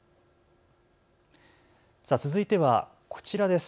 続いてはこちらです。